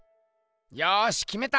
よしきめた！